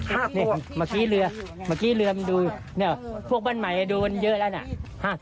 ห้าตัวนี่เมื่อกี้เรือมันดูพวกบ้านใหม่ดูมันเยอะแล้วนะ